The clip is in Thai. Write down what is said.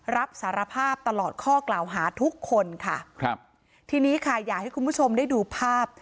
รับสารภาพตลอดข้อกล่าวหาทุกคนค่ะครับทีนี้ค่ะอยากให้คุณผู้ชมได้ดูภาพ